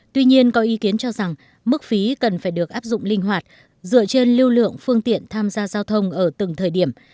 tuy nhiên có ý kiến cho rằng mức phí cần phải được áp dụng linh hoạt dựa trên lưu lượng phương tiện tham gia giao thông ở từng thời điểm